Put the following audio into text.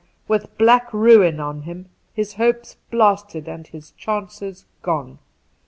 Ay, with black ruin on him, his hopes blasted and his chances gone.